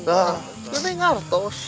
nggak itu neng hartus